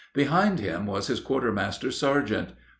Behind him was his quartermaster sergeant.